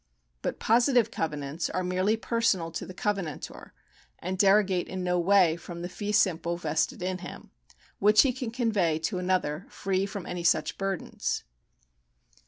But positive covenants are merely personal to the covenantor, and derogate in no way from the fee simple vested in him, which he can convey to another free from any such burdens.